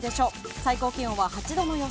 最高気温は８度の予想。